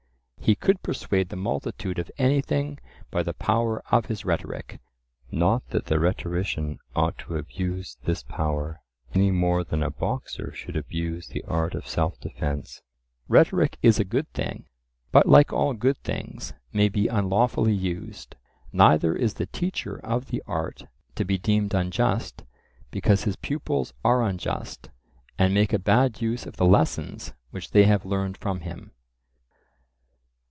He could persuade the multitude of anything by the power of his rhetoric; not that the rhetorician ought to abuse this power any more than a boxer should abuse the art of self defence. Rhetoric is a good thing, but, like all good things, may be unlawfully used. Neither is the teacher of the art to be deemed unjust because his pupils are unjust and make a bad use of the lessons which they have learned from him.